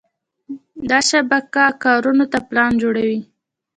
دا شبکه کارونو ته پلان جوړوي.